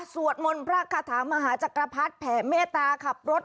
สวดมนต์พระคาถามหาจักรพรรดิแผ่เมตตาขับรถ